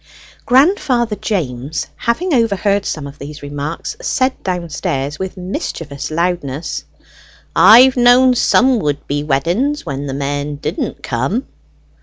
Grandfather James, having overheard some of these remarks, said downstairs with mischievous loudness "I've known some would be weddings when the men didn't come."